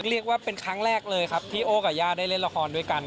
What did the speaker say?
เรียกว่าเป็นครั้งแรกเลยครับที่โอ้กับย่าได้เล่นละครด้วยกัน